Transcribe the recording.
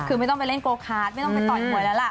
คือไม่ต้องไปเล่นโกคาร์ดไม่ต้องไปต่อยหวยแล้วล่ะ